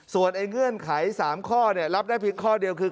ส่วนไอ้เงื่อนไข๓ข้อเนี่ยรับได้ผิดข้อเดียวคือ